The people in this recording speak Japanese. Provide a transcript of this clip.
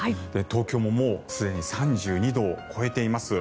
東京も、もうすでに３２度を超えています。